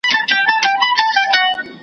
تر حمام وروسته مي ډېر ضروري کار دی .